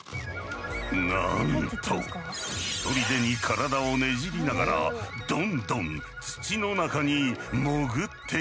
なんとひとりでに体をねじりながらどんどん土の中に潜っていく。